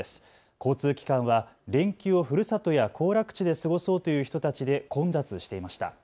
交通機関は連休をふるさとや行楽地で過ごそうという人たちで混雑していました。